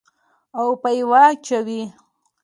او فيوز چوي.